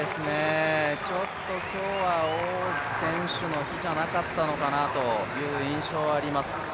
ちょっと今日は王選手の日じゃなかったのかという気がします。